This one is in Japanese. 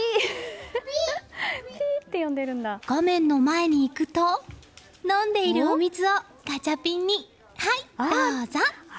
画面の前に行くと飲んでいるお水をガチャピンに、はいどうぞ！